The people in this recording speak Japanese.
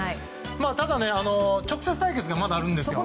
ただ、直接対決がまだあるんですよ。